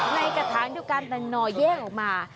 ในกระถางที่การตัดหน่อยแยกออกมา